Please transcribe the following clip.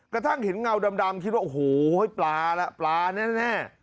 กระทั่งเห็นเงาดำคิดว่าโอ้โหปลาล่ะปลาแน่